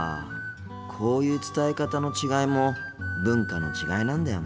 こういう伝え方の違いも文化の違いなんだよな。